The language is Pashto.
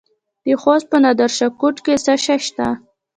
د خوست په نادر شاه کوټ کې څه شی شته؟